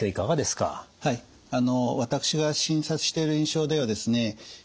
はい私が診察している印象ではですね